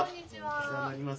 お世話になります。